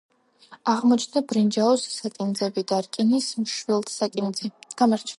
აღმოჩნდა ბრინჯაოს საკინძები და რკინის მშვილდსაკინძი.